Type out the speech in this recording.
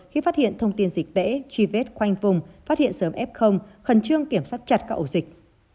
khi phát hiện thông tin dịch tễ truy vết khoanh vùng phát hiện sớm f khẩn trương kiểm soát chặt các ổ dịch